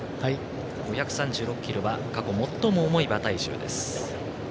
５３６ｋｇは過去最も重い馬体重です。